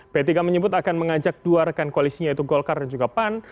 p tiga menyebut akan mengajak dua rekan koalisinya yaitu golkar dan juga pan